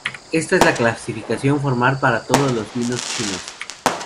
Esta es la clasificación formal para todos los vinos chinos.